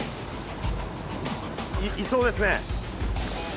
いいそうですね。